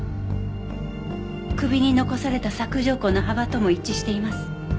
首に残された索条痕の幅とも一致しています。